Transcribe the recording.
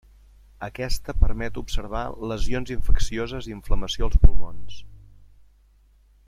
Aquesta permet observar lesions infeccioses i inflamació als pulmons.